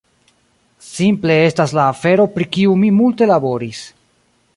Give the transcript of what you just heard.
simple estas la afero pri kiu mi multe laboris